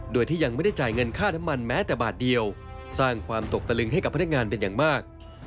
โดยที่ยังไม่ได้จ่ายเงินค่าน้ำมันแม้แต่บาทเดียวสร้างความตกตะลึงให้กับพนักงานเป็นอย่างมาก